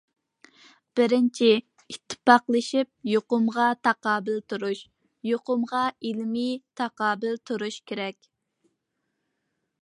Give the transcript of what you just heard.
بىرىنچى، ئىتتىپاقلىشىپ يۇقۇمغا تاقابىل تۇرۇش، يۇقۇمغا ئىلمىي تاقابىل تۇرۇش كېرەك.